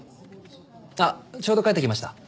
あっちょうど帰ってきました。